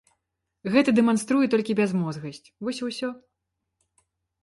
Гэта дэманструе толькі бязмозгасць, вось і ўсё.